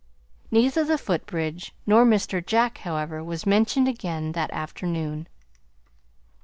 Neither the footbridge nor Mr. Jack, however, was mentioned again that afternoon.